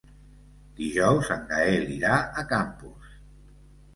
Dijous en Gaël irà a Campos.